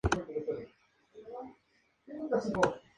La compañía tiene su sede en Warner Bros.